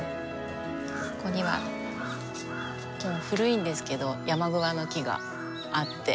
ここには古いんですけど山桑の木があって。